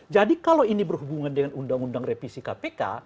jadi kalau ini berhubungan dengan undang undang revisi kpk